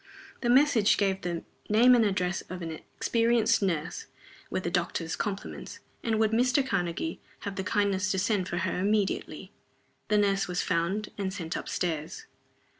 The message gave the name and address of an experienced nurse with the doctor's compliments, and would Mr. Karnegie have the kindness to send for her immediately. The nurse was found and sent up stairs.